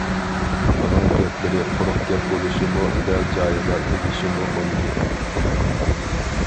ئۇنىڭ گەپلىرى قۇرۇق گەپ بولۇشىمۇ، دەل جايىغا تېگىشىمۇ مۇمكىن.